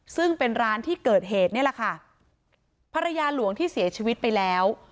ซึ่งเป็นร้านที่เกิดเหตุนี่แหละค่ะภรรยาหลวงที่เสียชีวิตไปแล้ว